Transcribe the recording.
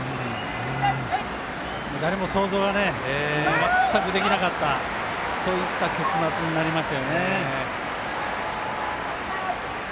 誰も想像は全くできなかったそういった結末になりましたよね。